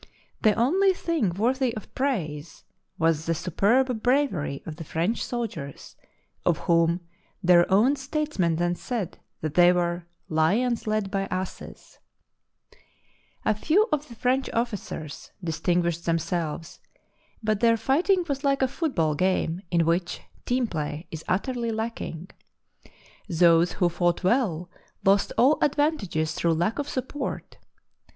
The only thing worthy of praise was the superb bravery of the French soldiers, of whom their own statesmen then said that they were " lions led by asses "! A few of the French officers distinguished them selves, but their fighting was like a football game in which " team play " is utterly lacking. Those who fought well lost all advantages through lack of support.